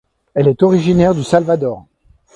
Elle est originaire du Salvador.